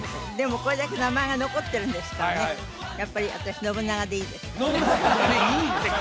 これだけ名前が残ってるんですからね信長でいいですか？